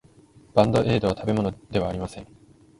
バンドエードは食べ物ではありません。